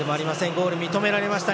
ゴール認められました。